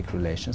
cũng là việt nam